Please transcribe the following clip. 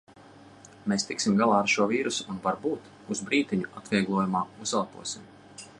Mēs tiksim galā ar šo vīrusu un varbūt uz brītiņu atvieglojumā uzelposim.